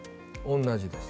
同じです